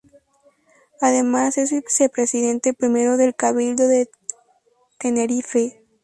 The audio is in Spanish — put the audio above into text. Además es vicepresidente primero del Cabildo de Tenerife.